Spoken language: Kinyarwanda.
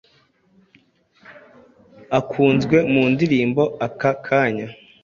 akunzwe mu ndirimbo ’aka kanya’